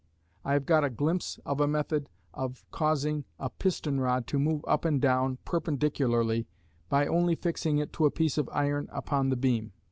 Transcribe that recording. I have got a glimpse of a method of causing a piston rod to move up and down perpendicularly, by only fixing it to a piece of iron upon the beam